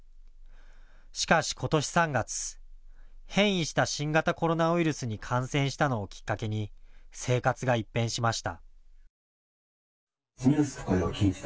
しかしことし３月、変異した新型コロナウイルスに感染したのをきっかけに生活が一変しました。